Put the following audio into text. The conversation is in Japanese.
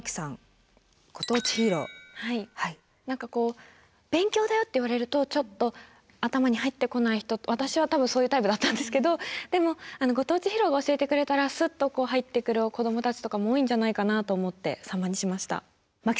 何かこう勉強だよって言われるとちょっと頭に入ってこない人私は多分そういうタイプだったんですけどでもご当地ヒーローが教えてくれたらスッと入ってくる子どもたちとかも多いんじゃないかなと思って３番にしました。